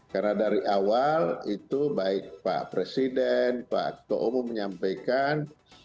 karena dari awal itu baik pak presiden pak ketua umum menyampaikan